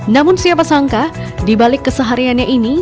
namun siapa sangka dibalik kesehariannya ini